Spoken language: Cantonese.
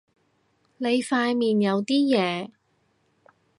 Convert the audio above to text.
你塊面有啲嘢